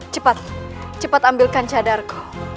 cepat cepat ambilkan cadarku